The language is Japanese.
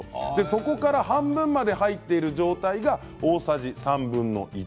底から半分まで入っている状態が大さじ３分の１。